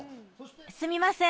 すみません